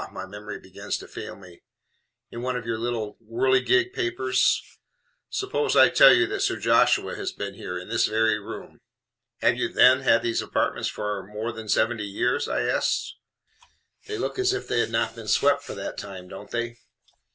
my memory begins to fail me in one of your little Whirligig Papers? Suppose I tell you that Sir Joshua has been here, in this very room?" "Have you, then, had these apartments for more than seventy years?" I asked. "They look as if they had not been swept for that time don't they?